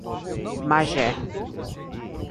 Magé